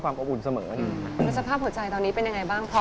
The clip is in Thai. ทั้งสองคนยังไม่เล่นละครอย่างเด็ก